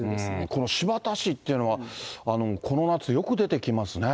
この新発田市っていうのは、この夏、よく出てきますね。